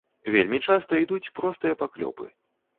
Вельмі часта ідуць простыя паклёпы.